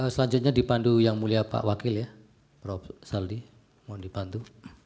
selanjutnya dipandu yang mulia pak wakil ya prof saldi mohon dibantu